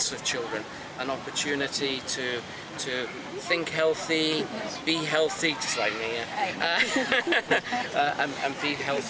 tujuan pertama kita adalah untuk memberikan banyak anak anak peluang untuk berpikir sehat